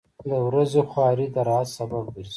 • د ورځې خواري د راحت سبب ګرځي.